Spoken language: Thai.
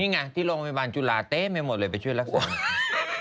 นี่ไงที่โรงพยาบาลจุฬาเต็มไปหมดเลยไปช่วยรักษา